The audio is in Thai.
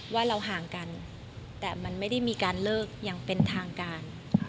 ว่าเราห่างกันแต่มันไม่ได้มีการเลิกอย่างเป็นทางการ